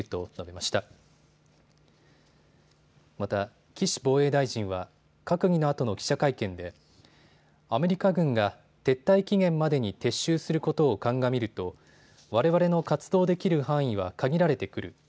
また、岸防衛大臣は閣議のあとの記者会見でアメリカ軍が撤退期限までに撤収することを鑑みるとわれわれの活動できる範囲は限られてくる。